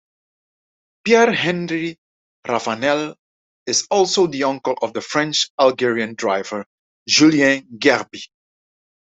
Pierre-Henri Raphanel is also the uncle of the French-Algerian driver Julien Gerbi.